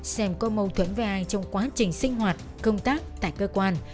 xem có mâu thuẫn với ai trong quá trình sinh hoạt công tác tại cơ quan